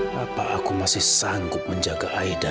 bapak aku masih sanggup menjaga aida